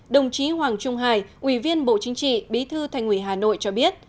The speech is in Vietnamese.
đồng chí hoàng trung hải ủy viên bộ chính trị bí thư thành ủy hà nội cho biết